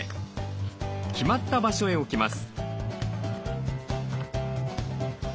決まった場所へ置きます。